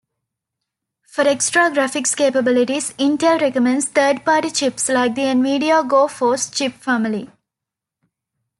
For extra graphics capabilities, Intel recommends third-party chips like the Nvidia GoForce chip family.